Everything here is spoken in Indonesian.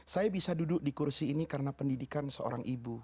saya bisa duduk di kursi ini karena pendidikan seorang ibu